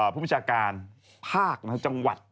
พ็ูมิชาการภาคจังหวัด